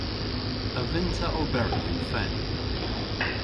A vynn'ta oberi yn fen?